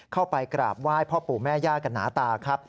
เข้าไปกราบว่ายพ่อปู่แม่ย่ากันหนาตา